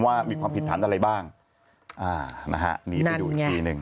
ว่ามีความผิดฐานอะไรบ้างนี่ไปดูอีกทีหนึ่ง